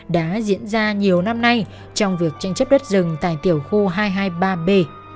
đã diễn ra nhiều năm nay trong việc tranh chấp đất rừng tại tiểu khu hai trăm hai mươi ba b